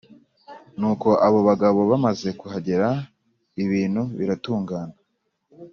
Nuko abo bagabo bamaze kuhagera, ibintu biratungana.